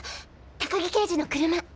高木刑事の車！